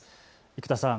生田さん。